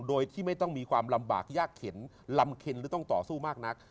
โดยที่ไม่ต้องมีความลำบากยากเข็นลำเข็นหรือต้องต่อสู้มากนัก